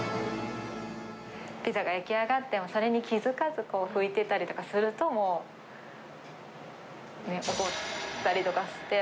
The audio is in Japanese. ピッツァが焼き上がっても、それに気付かず、拭いてたりとかすると、もう、怒ったりとかして。